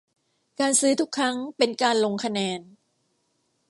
การซื้อทุกครั้งเป็นการลงคะแนน